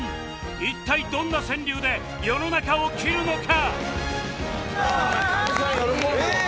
一体どんな川柳で世の中を斬るのか？